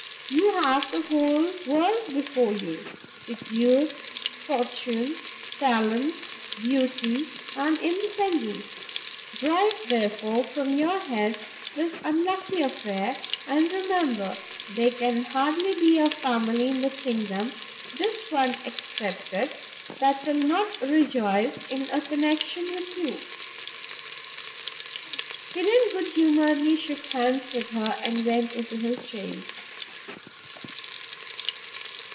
You have the whole world before you, with youth, fortune, talents, beauty and independence; drive, therefore, from your head this unlucky affair, and remember there can hardly be a family in the kingdom, this one excepted, that will not rejoice in a connection with you." He then good humouredly shook hands with her, and went into his chaise.